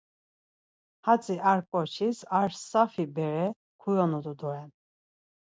Hatzi ar ǩoçis, ar safi bere kuyonut̆u doren.